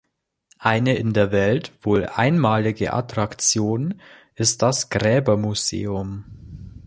Eine in der Welt wohl einmalige Attraktion ist das Gräber-Museum.